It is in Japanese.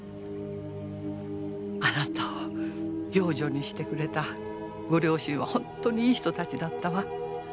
あなたを養女にしてくれたご両親は本当にいい人たちだったわ。